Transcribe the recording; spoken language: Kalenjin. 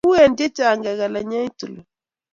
Eun che chang kikelenyei tulwo.